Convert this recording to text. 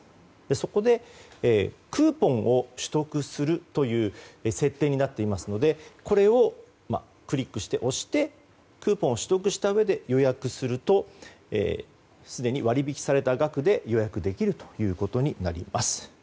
そこでクーポンを取得するという設定になっていますのでこれをクリックしてクーポンを取得したうえで予約するとすでに割引された額で予約できることになります。